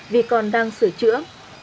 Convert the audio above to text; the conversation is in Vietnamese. vì còn đang sửa chữa